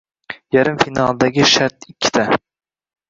Yarim finaldagi shart ikkita